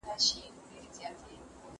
قلم وکاروه!